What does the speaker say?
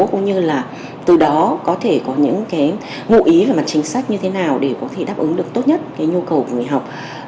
cũng như là từ đó có thể có những cái ngụ ý về mặt chính sách như thế nào để có thể đáp ứng được tốt nhất cái nhu cầu của người học